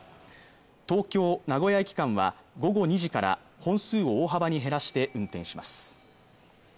東京ー名古屋駅間は午後２時から本数を大幅に減らして運転します